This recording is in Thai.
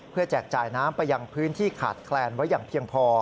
แจกจ่ายน้ำไปยังพื้นที่ขาดแคลนไว้อย่างเพียงพอ